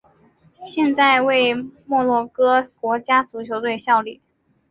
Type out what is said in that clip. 现在为摩洛哥国家足球队效力。